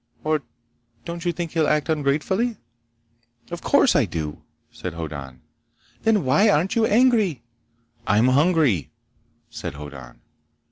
Or don't you think he'll act ungratefully?" "Of course I do!" said Hoddan. "Then why aren't you angry?" "I'm hungry," said Hoddan.